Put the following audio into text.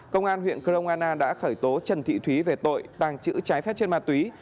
công an huyện kroana đã khởi tố trần thị thúy về tội tàng trữ trái phép trên ma túy